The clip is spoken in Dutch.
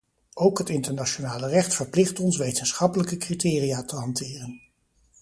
Ook het internationale recht verplicht ons wetenschappelijke criteria te hanteren.